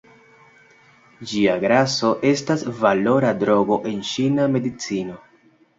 Ĝia graso estas valora drogo en ĉina medicino.